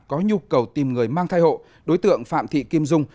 có nhu cầu tìm người mang thai hộ đối tượng phạm thị kim dung